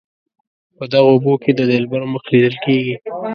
په دغو اوبو کې د دلبر مخ لیدل کیږي.